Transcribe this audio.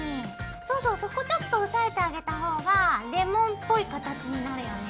そうそうそこちょっと押さえてあげた方がレモンっぽい形になるよね。